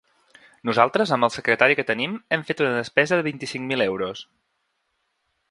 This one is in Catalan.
Nosaltres, amb el secretari que tenim hem fet una despesa de vint-i-cinc mil euros.